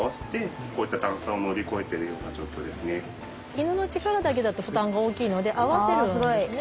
犬の力だけだと負担が大きいので合わせるんですね。